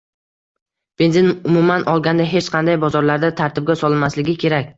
Benzin, umuman olganda, hech qanday bozorda tartibga solinmasligi kerak